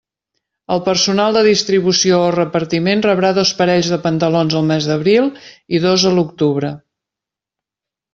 El personal de distribució o repartiment rebrà dos parells de pantalons al mes d'abril i dos a l'octubre.